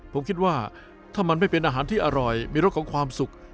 ผมคิดว่าถ้ามันไม่เป็นอาหารที่อร่อยมีรสของความสุข